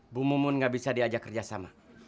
bu mumun gak bisa diajak kerja sama